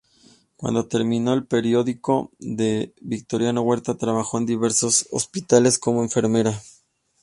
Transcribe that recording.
Cuando terminó el período de Victoriano Huerta, trabajó en diversos hospitales como enfermera.